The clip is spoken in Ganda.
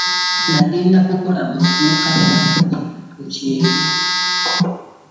Nagenda kukola mu dduuka lya ngoye ku kyeyo.